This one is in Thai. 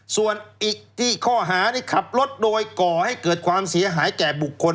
ส่วนอีกที่ข้อหานี่ขับรถโดยก่อให้เกิดความเสียหายแก่บุคคล